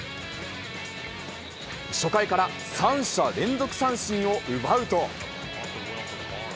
初回から３者連続三振を奪うと。